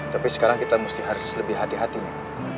tapi sekarang kita harus lebih hati hati nih